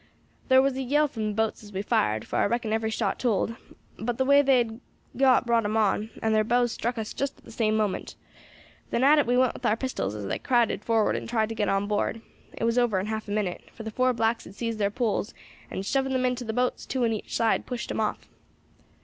Thar was a yell from the boats as we fired, for I reckon every shot told; but the way they had got brought 'em on, and their bows struck us just at the same moment. Then at it we went with our pistols as they crowded forward and tried to get on board. It was over in half a minute, for the four blacks had seized their poles, and, shoving them into the boats, two on each side, pushed 'em off.